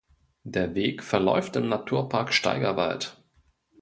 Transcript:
Der Weg verläuft im Naturpark Steigerwald.